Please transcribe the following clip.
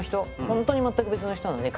本当に全く別の人なので。